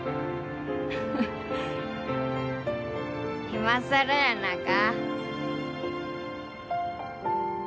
今さらやなか。